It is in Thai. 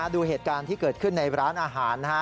ดูเหตุการณ์ที่เกิดขึ้นในร้านอาหารนะฮะ